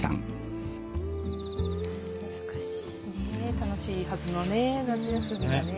楽しいはずの夏休みがね。